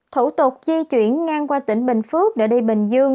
thủ tục di chuyển ngang qua tỉnh bình phước để đi bình dương